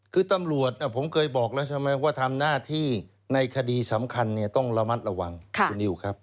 คือตำรวจผมเคยบอกแล้วใช่ไหมว่าทำหน้าที่ในคดีสำคัญเนี่ยต้องระมัดระวังคุณนิวครับ